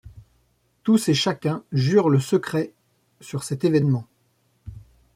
Tous et chacun jurent le secret sur cet événement.